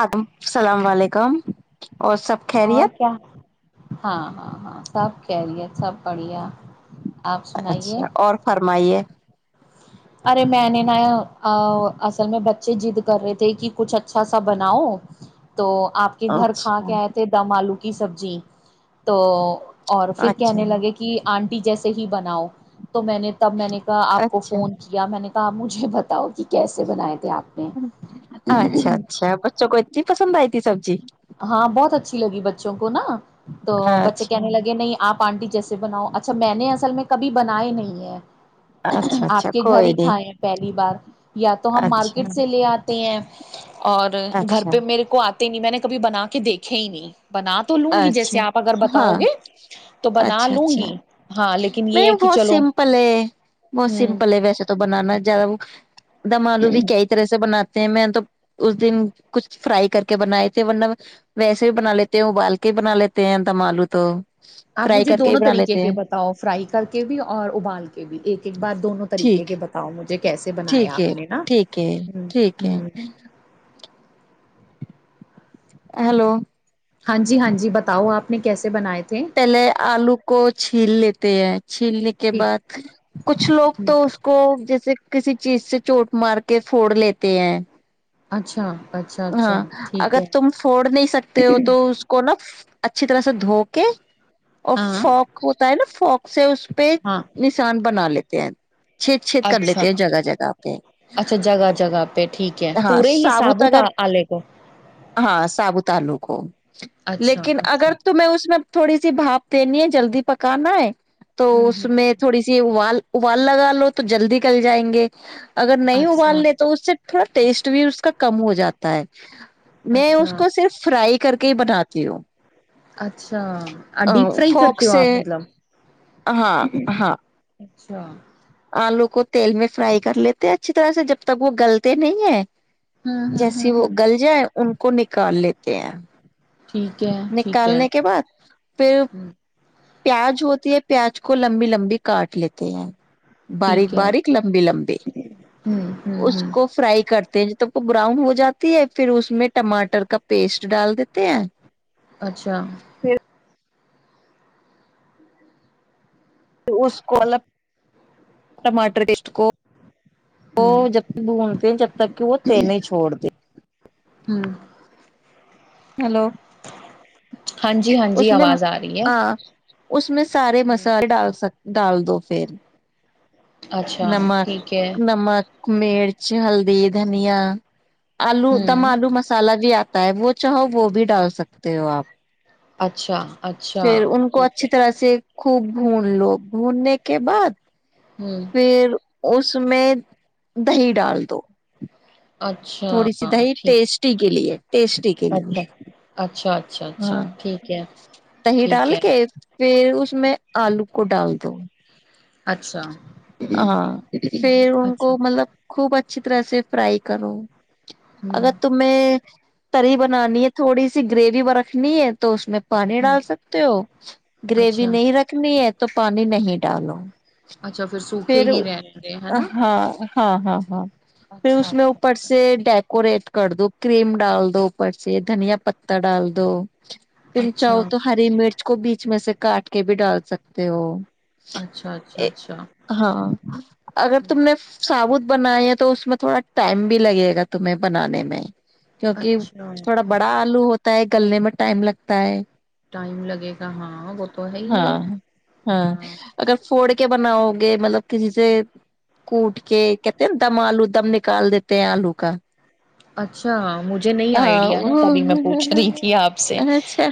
آدم سلام وعلیکم اور کیا ہاں ہاں ہاں سب کیریت سب بڑھیا آپ سنائیے اچھا اور فرمائیے ارے میں نے نا اصل میں بچے جضد کر رہے تھے کہ کچھ اچھا سا بناؤ تو آپ کے گھر کھا اچھا کے آئے تھے دم آلو کی سبزی تو اور پھر اچھا کہنے لگے کہ آنٹی جیسے صحیح بناؤ تو میں نے تب میں نے کہا آپ کو اچھا فون یا میں نے کہا مجھے بتاؤ کہ کیسے بناائے تھے آپ نے اچھا اچھا بچوں کوئی جی پسند آئی تھی سبزی ہاں بہت اچھی لگ بچ چ کوناا تو بچے اچھا کہنے لگے نہیں آپ آنٹی جیسے بناؤ اچھا میں نے اصل میں کبھی بنائے نہیں ہے اچھا اچھا آپ کے گھر کوئی ہی نہیں کھائے ہیں پہلی بار یا تو ہم اچھا مارکیٹ سے لے آتے ہیں اور گھر اچھا پہ میرے کو آتا تینی میں نے کبھی بنا کے دیکھے ہی نہیں بنا تو لوں گی جیسے اچھا آپ اگر ہاں بتاؤ گے تو بنا اچھا لوں اچھا گی ہاں لیکن یہ نہیں ہے کہ بہت چلو سمپل ہے بہت ہوں سمپل ہے ویسے تو بنانا زیادہ دمالو بھی کئی طرح سے بنات میں تو اس دن کچھ فرائی کر کے بنائے تھے ورنہ ویسے بھی بنا لیتے ہیں ابال کے کے بنا لیتے ہیں دم آلو تو آپ فرائی مجھے کر کے ہی دونوں بنا طریقے لیتے کے ہیں بتاؤ فرائی کر کے بھی اور ابال کے بھی ایک ایک بار دونوں طریقے ٹھیک کے بتاؤ مجھے کیسے بنایا ٹھیک ہے آپ نے نا ٹھیک ہے ہ ٹھیک ہ ہے ہلو ہاں جی ہاں جی بتاؤ آپ نے کیسے بناائے تھے پہلے آلو کو چھیل لیتے ہیں چھیلنے کے ٹھیک بعد کچھ لوگ تو اس کو جیسے صرف کسی چیز سے چوٹ مار کے پھوڑ لیتے ہیں اچھا اچھا اچھا ہاں ٹھیک اگر ہے تم پھوڑ نہیں سکتے ہو تو اس کو نا اچھی طرح سے دھو کے اور ہاں فوک ہوتا ہے نا فوک سے پہ ہاں نشان بنا لیتے ہیں چھید چھید کر اچھا لیتے ہیں جگہ جگہ پہ اچھا جگہ جگہ پہ ٹھیک ہے ہاں پورے ہی سابوت اگر ہاں سابو تلو ہو اچھا لیکن اچھا اگر تو میں اس میں تھوڑی سی بھاپ دینی ہے جلدی پکانا ہے تو ہوں اس ہوں میں تھوڑی سیال ابال لگا لو تو جلدی کل جائیں گے اگر نہیں اچھا ابالنے تو اس سے تھوڑا ٹیسٹ بھی اس کا کم ہو جاتا ہے ت [unintelligible] میں اچھا اس کو صرف فرائی کر کے ہی بناتی ہو اچھا ڈیپ فرائی کرتے فوک ہو سے آپ مطلب ہاں ہاں چھ [unintelligible] آلو کو تیل میں فرائی کر لیتے اچھی طرح سے جب تک وہ گلتے نہیں ہے ہاں ہاں ہاں جیسی وہ ہاں گل جائے ان کو نکال لیتے ہیں ٹھیک ہے ٹھیک ہے نکالنے کے بعد پھر ہ پیاز ہوتی ہے پیاز کو لمبی لمبی کاٹ لیتے ہیں باریک ٹھیک ہے باریک لمبی لمبی ہوں ہوں اس ہوں کو فرائی کرتے ہیں تو وہ براؤن ہو جاتی ہے پھر اس میں ٹماٹر کا پیسٹ ڈال دیتے ہیں اچھا اس کو ٹماٹر پسٹ کو وہ ہوں جب تک ڈھونڈتے جب تک کہ وہ تینے چھوڑتے ہوں ہلو ہاں جی ہاں جی اس میں آواز رہی ہے آ اس میں سے سارے ہوں مسالے ڈال سکتے ڈال دو پھر اچھا نم ٹھیک ہے نم [unintelligible] مرچ ہلدی دھنیا آلو دم ہوں آلو مسالا بھی آ ہوتا ہے وہ چاہو وہ بھی ڈال سکتے ہو آپ اچھا اچھا پھر ان کو ٹھیک ہے اچھی طرح سے خوب بھون لو بھوننے کے بعد۔۔ ہوں پھر۔۔ اس میں دہی ڈال دو۔ اچھا تھوڑی سی دی ٹھیک ٹیسٹی کے لیے۔ ٹیسٹی کے لیے۔ اچھا اچھا اچھا اچھا ہاں ٹھیک ہے دہی ٹھیک ڈال ہے کے۔۔۔ پھر اس میں آلو کو ڈال دو۔ اچھا ہاں۔ پھر ان اچھا کو مطلب خوب اچھی۔۔۔ طرح سے فرائی کرو۔ ہوں اگر تمہیں۔۔۔ تری بنانی ہے۔ تھوڑی سی گریوی والا۔۔۔ نی ہے تو اس میں۔۔۔ پانی ہوں ڈال سکتے ہو۔ گریوی اچھا نہیں رکھنی ہے۔۔ تو پانی نہیں ڈالو۔ اچھا پھر سوکھے ہی رہیں گے۔ ہے نا؟ ہاں ہاں ہاں ہاں۔ پھر اچھا اس میں اچھا اوپر سے ڈ۔۔ یڑ کر دو۔ کریم ڈال دو اوپر سے۔ دھنیا پتہ ڈال۔۔۔ دو۔ پھر اچھا چاہو تو ہری مرچ کو بیچ میں سے کاٹ کے بھی ڈال سکتے۔۔ تے وہ۔ اچھا اچھا اچھا اچھا ہاں اگر ہوں، تم نے۔۔۔ سابوت بنائے ہیں تو اس میں تھوڑا ٹائم بھی لگے گا تمہیں بنانے میں۔ کیونکہ اچھا تھوڑا بڑا آلو ہوتا۔۔۔ [unintelligible] گلنے میں ٹائم لگتا ہے۔ ٹائم لگے گا۔ ہاں وہ تو ہے ہی ہے۔ ہاں۔ توڑ کے بناؤ گے۔ مطلب کسی سے کوٹ کے کہتے ہیں نا دم آلو دم نکال دیتے ہیں آلو کا۔ اچھا مجھے نہیں ہاں آئیڈیا نا۔ وہ تبھی میں پوچھ رہی تھی۔ آپ سے اچھا۔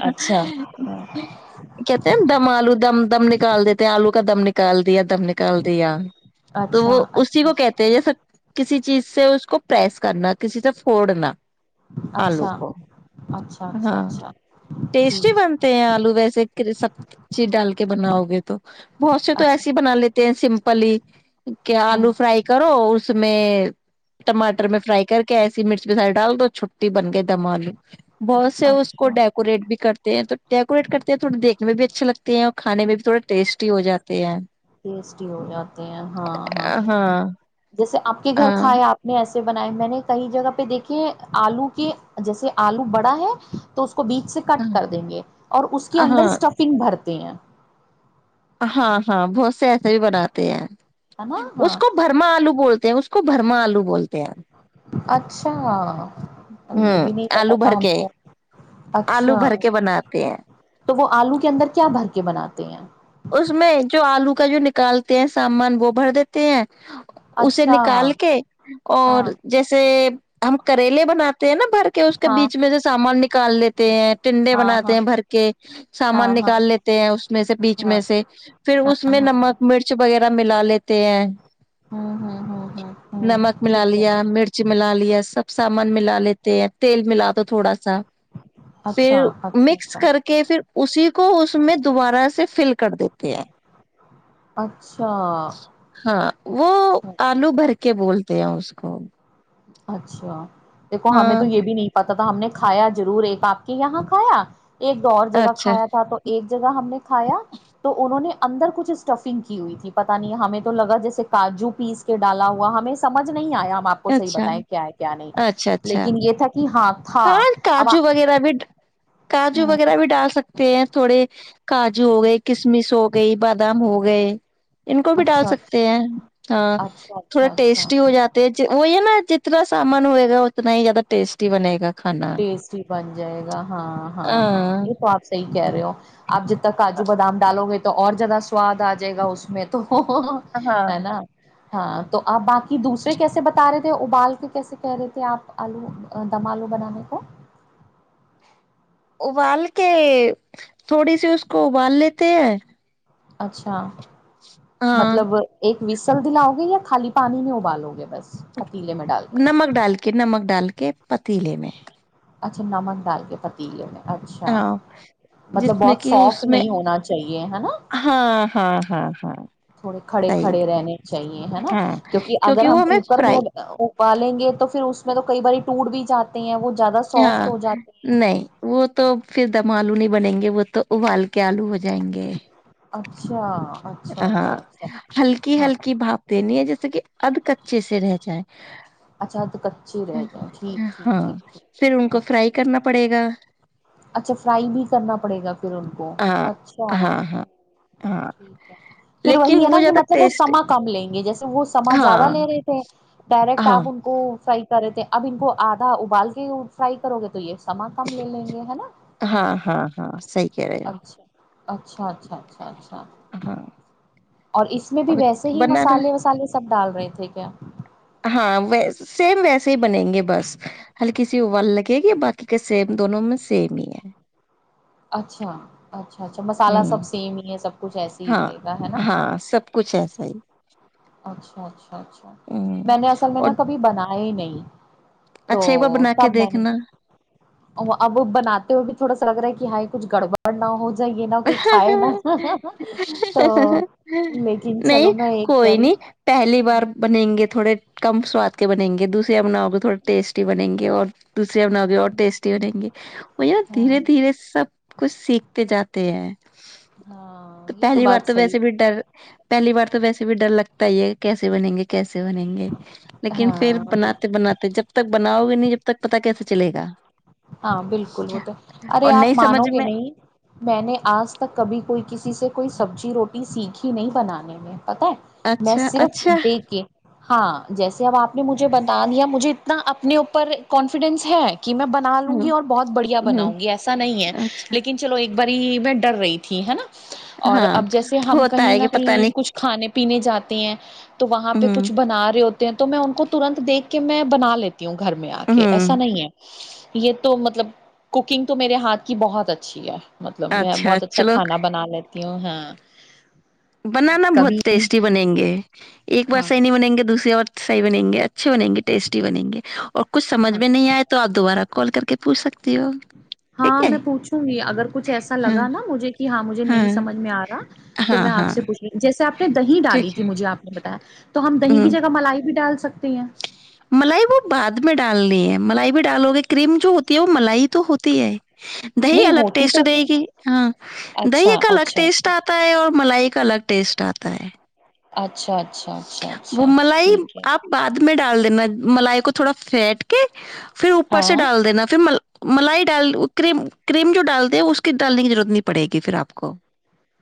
کہتے ہیں دم الو دم۔۔۔ دم نکال دیتے ہیں۔ آلو کا دم نکال دیا۔۔۔ دم نکال دیا۔ تو وہ اچھا اسی اچھا کو کہتے ہیں جیسا کسی۔۔۔ چیز سے اس کو پرریس کرنا۔ کسی سے پھوڑنا۔ آلو اچھا کو اچھا اچھا ہاں اچھا ٹھیک ٹیسٹی ہی ہے بنتے ہیں آلو ویسے سب چیز ڈال کے ب نا ہوگے تو بہت سے تو اچھا ایسے ہی بنا لیتے ت سمپلی کہ ہاں آلو فرائی کرو اس میں ٹماٹر میں فرائی کر کے ایسی مرچ مسائی ڈال دو چھٹی بن گئے دم آلو بہت سے اس کو اچھا ڈیکوریٹ بھی کرتے ہیں تو ڈیکوریٹ کرتے ہیں تھوڑے دیکھنے میں بھی اچھے لگتے ہیں اور کھانے میں بھی تھوڑے ٹیسٹی ہو جاتے ہیں ٹیسٹی ہو جاتے ہیں ہاں ہاں جیسے آپ کے گھر ہاں کھائے آپ نے ایسے بنائے میں نے کئی جگہ پہ دیکھے آلو کے جیسے آلو بڑا ہے تو اس کو بیچ سے کٹ کر دیں گے اور اس کے اندر ہاں اسٹفنگ بھرتے تے ہیں ہاں ہاں بہت سے ایسے بھی بناتے ہیں ہے نا اس ہاں کو برما آلو بولتے ہیں اس کو بھرما آلو بولتا اچھا یہ ہوں بھی نہیں پتا آلو بھر تھا ہم کے کو آلو اچھا بھر کے بناتے ہیں تو وہ آلو کے اندر کیا بھر کے بناتے تی ہیں اس میں جو آلو کا جو ن نکالتے ہیں سامان وہ بھر دیتے ہیں اسے اچھا نکال کے اور ہاں جیسے ہم کریلے بناتے تھ نا بھر کے اس کے ہاں بیچ میں سے سامان نکال لیتے ت ٹنڈے ہاں بناتے ہاں ہیں بھر کے ہاں سامان ہاں نکال لیتے ہیں اس میں سے بیچ ہاں میں سے پھر اس ہاں میں ہاں نمک مرچ وغیرہ ملا لیتے ہیں ہوں ہوں ہوں ہوں ہوں نمک ملا ٹھیک ہے لیا مرچ ملا ل سب سامان ملا لیتے ہیں تیل ملا تو تھوڑا سا اچھا پھر اچھا مکس اچھا کر کے پھر اسی کو اس میں دوبارہ سے فل کر دیتے ہیں اچھا ہاں وہ اچھا آلو بھر کے بولتے ہیں اس کو ک اچھا دیکھو ہمیں تو یہ بھی نہیں پتا تھا ہم نے کھایا ضرور ایک آپ کے یہاں کھایا ایک دو اور جگہ اچھا کھایا تھا تو ایک جگہ ہم نے کھایا تو انہوں نے اندر کچھ اسٹفنگ کی ہوئی تھی پتا نہیں ہمیں تو لگا جیسے کاجو پیس کے ڈالا ہوا ہمیں سمج نہیں آیا ہم آپ کو اچھا بتیں کیا ہے کیا نہیں اچھا اچھا لیکن یہ تھا کہ ہاں تھا ہاں اب کاجو وغیرہ بھی کاجو ہ وغیرہ بھی ڈال سکتے پ تھوڑے کاجو ہو گئے کسمش ہو گئی بادام ہو گئے ان کو بھی ڈال اچھا اچھا سکتے ہیں ہاں اچھا اچھا تھوڑا اچھا ٹیسٹی ہو جاتے ہیں وہ ہے نا جتنا سامان ہوئے گا اتنا ہی زیادہ ٹیسٹی بنے گا کھانا ٹیسٹی بن جائے گا ہاں ہاں ہاں ا یہ تو آپ سحی کہہ رہے ہو [inaudible] آپ جب تک کاجو بادام ڈالو گے تو اور زیادہ سواد آ جائے گا اس میں تو ہاں ہے نا ہاں تو آپ باقی دوسرے کیسے بتا رہے تھے ابال کے کیسے کہہ رہے تھے آپ آلو دم آلو بنانے ا ابال کے تھوڑی سی اس کو ابال لیتے ہیں اچھا ہاں مطلب ایک وسل دلاؤ گے یا خالی پانی میں ابالو گے بس پتیلے میں ڈال کے نمک ڈال کے نمک ڈال کے پتیلے میں اچھا نمک ڈال کے پتیلے میں اچھا ہاں جس مطلب میں بہت کہ اس سافٹ میں نہیں ہونا چاہیے ہے نا ہاں ہاں ہاں ہاں تھوڑے کھڑے صحیح کھڑے رہنے چاہیے ہے نا ہاں کیونکہ اگر ہم وہ ہمیں کوکر میں فرائی ابالیں گے تو پھر اس میں تو کئی باری ٹوٹ بھی چاہتے ہیں وہ زیادہ سافٹ ہاں ہو جاتے ہیں نہیں وہ تو پھر دمعلو نہیں بنیں گے وہ تو ابال کے آلو ہ اچھا اچ ہاں ہلکی ہلکی بھاپ دینی ہے جیسے کہ اب کچے سے رہ جائے اچھا تو کچے رہ ہمم جائیں ہمم ٹھیک ٹھیک ہاں ٹھیک پھر ان ٹھیک کو فرائی اچھا کرنا پڑے گا اچھا فرائی بھی کرنا پڑے گا پھر ان کو ہاں اچھا ہاں ہمم ہاں ہاں ٹھیک پھر لیکن وہی ہے نا کہ زیادہ مطلب وہ ٹیسٹ سماں کم لیں گے جیسے وہ سماں ہاں زیادہ لے رہے تھے ڈائریکٹ ہاں آپ ان کو فی کرے تھے اب ان کو آدھا ابال کے فرائی کرو گے تو یہ سمان کم لے لیں گے ہے نا ہاں ہاں ہاں صحیح کہہ رہے ہو اچھا اچھا اچھا اچھا اچھ ہمم اور اس میں بھی ویسے ہی مسالے وسالے سب ڈال رہے تھے کیا ہاں و سیم ویسے ہی بنیں گے بس ہلکی سی وال لگے گی باقی کا سیم دونوں میں سیم ہی ہے اچھا اچھا اچھا مسالہ ہوں سب سیم ہی ہے سب کچھ ایسے ہی ہاں ملے گا ہے نا ہاں سب کچھ ایسا ہی اچھا اچھا اچھا اچھا ہوں میں نے اصل میں اور نا کبھی بنایا ہی نہیں تو اچھا ایک بار بنا کے تب میں نے دیکھنا اب وہ بناتے ہوئے بھی تھوڑا سا لگ رہا ہے ہ کچھ گڑبڑ نہ ہو یہ نہا کوئی کھائے نا تو لیکن چلو نہیں میں ایک کوئی باری نہیں پہلی بار بنیں گے تو تھوڑے کم سواد کے بنیں گے دوسرے بناؤ کے تھوڑے ٹیسٹی بنیں گے اور دوسریا بنا کےے اور ٹیسٹی ہو بیں گی ہو یا دھیرے ہاں دھیرے سب کچھ سیکھتے جاتے کہ تو ہاں یہ پہلی بار بات تو صحیح ویسے بھی ڈر پہلی بار تو ویسے بھی ڈر لگتا ہی ہے کیسے بنیں گے کیسے بنیں گے ہے لیکن پھر ہاں بناتے بالکل بناتے جب تک بناؤ گے نہیں جب تب تک پتا کیسے چلے گا ہاں بالکل وہ تو اچھا ارے اور آپ نہیں مانو سمجھ گے میں نہیں میں نے آج تک کبھی کوئی کسی سے کوئی سبزی روٹی سیکھی نہیں بنانے میں پتا ہے میں اچھا صرف اچھا دیکھ کے ہاں جیسے اب آپ نے مجھ بتا دیا مجھے اتنا اپنے اوپر کانفیڈنس ہے کہ میں بنا ہوں گی اور بہت بڑھیا ہوں بناؤں گی ایسا نہیں ہے اچھا لیکن چلو ایک باری وڈر ریٹ ت ہے نا اور ہاں اب جیسے ہم ہوتا کہیں ہے نہ کہ پتا کہیں نہیں کچھ کھانے پینے جاتے تی ہیں تو وہاں پہ ہوں کچھ بنا رہے ہو تو میں ان کو ترنت دیک کے میں بنا لیتا تی ہوں گھر میں آ کے ہوں ایسا نہیں ہے تو مطلب کوکنگ تو میرے ہاتھ کی بہت اچھی ہے مطلب میں بہت اچھا کھانا بنا لیتا تیوں ہاں بنانا کبھی بہت ٹیسٹی بنیں گے ایک بار ہاں سحینی بنیں گے دوسری بار صح بنیں گے اچھے بنیں گے ٹیسٹی بنیں گے اور کچھ سمجھ ہاں میں نہیں آئے تو آپ دوبارہ کال کر کے پوچھ سکتی ہو ہاں ٹھیک ہے میں پوچھوں گی اگر کچھ ایسا ہاں لگا نا مجھے کہ ہاں مجھے نہیں سمجھ میں آ رہا تو ہاں میں آ ہاں سے پوچھنا جیسے آپ نے دہی ڈالی ٹھیک تھی ہے مجھے آپ نے بتایا تو ہم دہی کی ہوں جگہ ملائی بھی ڈالتے ملائی وہ بعد میں ڈال ڈالنی ہے ملائی بھی ڈالو گے کریم جو ہوتی ہے وہ ملائی تو ہوتی ہے دہی نہیں الگ ہوتی ٹیسٹ تو دے پھر گی ہاں دہی اچھا ایک الگ اچھا ٹیسٹ اچھا آتا ہے اور ملائی کا الگ ٹیسٹ آتا ہے اچھا اچھا اچھا وہ اچھا ملائی ٹھیک ہے آپ بعد میں ڈال میں ملائی کو تھوڑا پھینٹ کے پھر اوپر سے ہاں ڈال دینا پھر ملائی ڈال کرم کریم جو ڈالتے ہیں اس کی ڈالنے کی ضرورت نہیں پڑے گی پھر آپ کو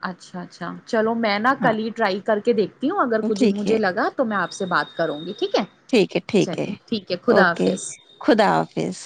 اچھا اچھا چلو میں نہا ہاں کل ہی رائی کر کے دیکھ ہوں اگر کچھ ٹھیک ہے مجھے لگا تو میں آپ سے بات کروں گی ٹھیک ہے ٹھیک ہے ٹھیک ہے چلیے ٹھیک ہے خدا اوکے حافظ خدا حافظ